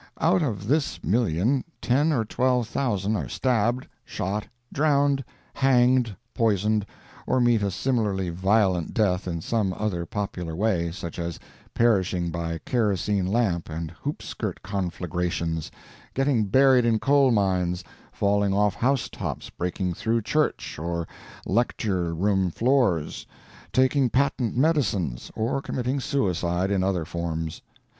Out of this million ten or twelve thousand are stabbed, shot, drowned, hanged, poisoned, or meet a similarly violent death in some other popular way, such as perishing by kerosene lamp and hoop skirt conflagrations, getting buried in coal mines, falling off housetops breaking through church or lecture room floors, taking patent medicines, or committing suicide in other forms.